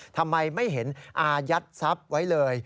ทำไมไม่เห็นอายัดทรัพย์ไว้เลย